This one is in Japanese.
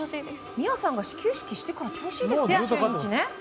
美和さんが始球式してから調子いいですね。